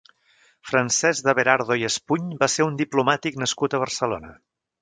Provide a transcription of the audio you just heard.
Francesc de Berardo i Espuny va ser un diplomàtic nascut a Barcelona.